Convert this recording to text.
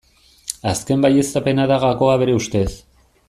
Azken baieztapena da gakoa bere ustez.